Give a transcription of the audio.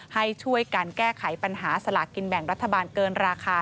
ให้ช่วยการแก้ไขปัญหาสลากกินแบ่งรัฐบาลเกินราคา